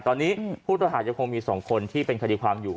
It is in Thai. ตอนนี้ผู้ต้องหายังคงมี๒คนที่เป็นคดีความอยู่